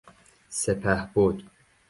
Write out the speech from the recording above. سپهبد